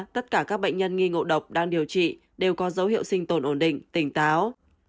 tất cả các bệnh nhân nghi ngộ độc đang điều trị đều có dấu hiệu sinh tồn ổn định tỉnh táo